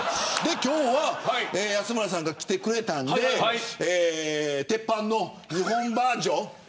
今日は安村さんが来てくれたので鉄板の日本バージョン。